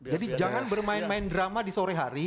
jadi jangan bermain main drama di sore hari